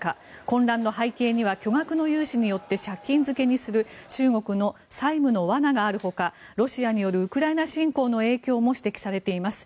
混乱の背景には巨額の融資によって借金漬けにする中国の債務の罠があるほかロシアによるウクライナ侵攻の影響も指摘されています。